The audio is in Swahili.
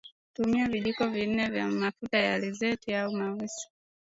Tumia vijiko vi nne vya mafuta ya alizeti au mawese